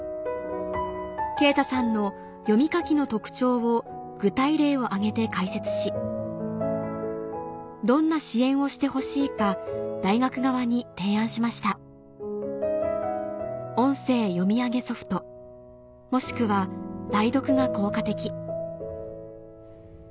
勁太さんの読み書きの特徴を具体例を挙げて解説しどんな支援をしてほしいか大学側に提案しました「音声読み上げソフトもしくは代読が効果的」